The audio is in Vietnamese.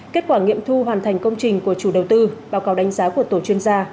kết quả nghiệm thu hoàn thành công trình của chủ đầu tư báo cáo đánh giá của tổ chuyên gia